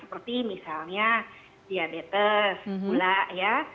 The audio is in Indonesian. seperti misalnya diabetes gula ya